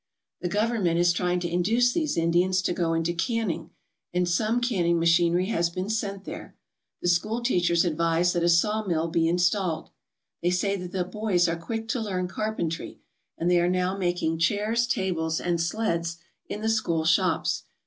The Government is trying to induce these Indians to go into canning and some canning machinery has been sent there. The school teachers advise that a sawmill be installed. They say that the boys are quick to learn carpentry, and they are now making chairs, tables, and sleds in the school shops.